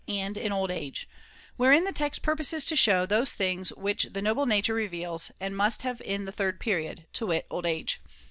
j^nd in old age, wherein the text purposes to show those things which the noble nature reveals and must have in the third period, [loj to wit old age.